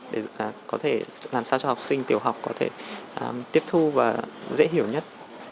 để làm sao cho học sinh tiểu học có thể tiếp thu và dễ hiểu nhất